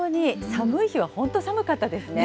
寒い日は本当寒かったですね。